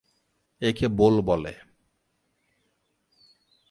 একে বোল বলে।